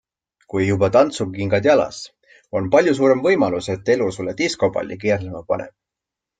Kui juba tantsukingad jalas, on palju suurem võimalus, et elu sulle diskopalli keerlema paneb.